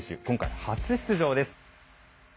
今回初出場です。